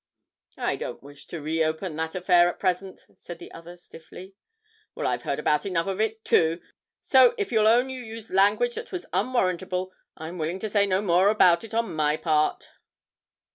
'I don't wish to reopen that affair at present,' said the other, stiffly. 'Well, I've heard about enough of it, too; so if you'll own you used language that was unwarrantable, I'm willing to say no more about it for my part.'